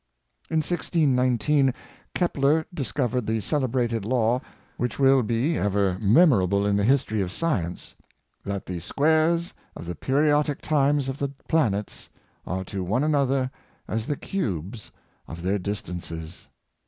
In 1 619 Kepler discovered the celebrated law which Martyrs for Science. 449 will be ever memorable in the history of science, " that the squares of the periodic times of the planets are to one another as the cubes of their distances."